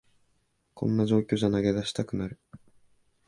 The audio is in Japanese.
こんな状況じゃ投げ出したくなる